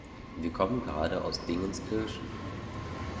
Wir kommen gerade aus Dingenskirchen.